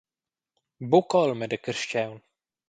Buc’olma da carstgaun.